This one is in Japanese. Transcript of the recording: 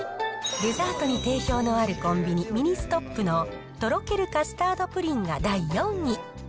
デザートに定評のあるコンビニ、ミニストップのとろけるカスタードプリンが第４位。